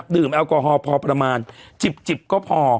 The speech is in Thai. แอลกอฮอลพอประมาณจิบก็พอ